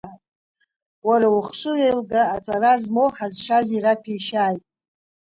Уара ухшыҩ еилга аҵара змоу ҳазшаз ираҭәеишьааит!